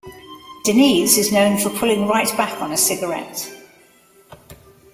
Denise is known for pulling right back on a cigarette.